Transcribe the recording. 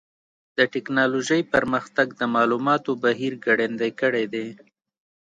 د ټکنالوجۍ پرمختګ د معلوماتو بهیر ګړندی کړی دی.